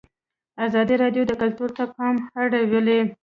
ازادي راډیو د کلتور ته پام اړولی.